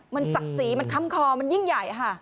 มันสักสีมันค้ำครอมันยิ่งใหญ่ฮะ